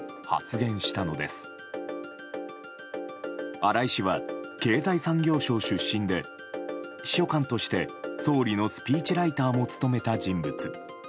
荒井氏は経済産業省出身で秘書官として総理のスピーチライターも務めた人物。